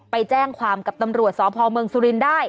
ไปแจ้งความกับตำรวจสพเมืองสุรินทร์ได้